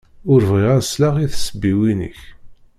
Ur bɣiɣ ad sleɣ i tsebbiwin-ik.